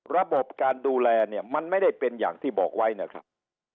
ระบบการดูแลเนี่ยมันไม่ได้เป็นอย่างที่บอกไว้นะครับ